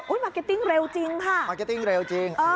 มาร์เก็ตติ้งเร็วจริงค่ะมาร์เก็ตติ้งเร็วจริง